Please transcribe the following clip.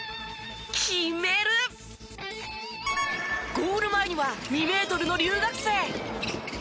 ゴール前には２メートルの留学生。